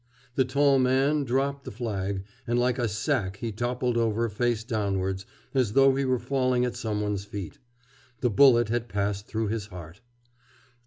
The tall man dropped the flag and like a sack he toppled over face downwards, as though he were falling at some one's feet. The bullet had passed through his heart.